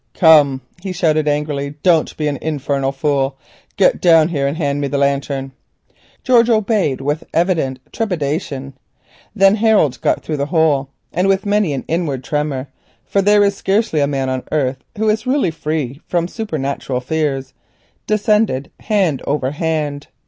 "Come," he shouted angrily, "don't be a fool; get down here and hand me the lantern." George obeyed with evident trepidation. Then Harold scrambled through the opening and with many an inward tremor, for there is scarcely a man on the earth who is really free from supernatural fears, descended hand over hand.